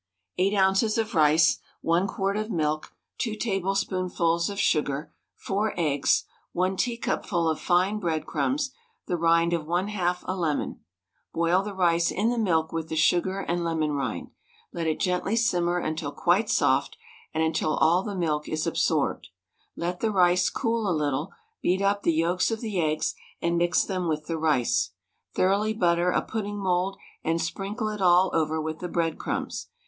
8 oz. of rice, 1 quart of milk, 2 tablespoonfuls of sugar, 4 eggs, 1 teacupful of fine breadcrumbs, the rind of 1/2 a lemon; boil the rice in the milk with the sugar and lemon rind; let it gently simmer until quite soft, and until all the milk is absorbed; let the rice cool a little, beat up the yolks of the eggs, and mix them with the rice. Thoroughly butter a pudding mould, and sprinkle it all over with the breadcrumbs.